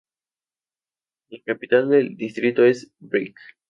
La capital del distrito es Brake.